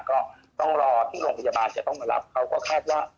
ก็ต้องรอที่โรงพยาบาลจะต้องมารับเขาก็คาดว่า